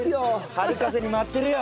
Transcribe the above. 春風に舞ってるよ。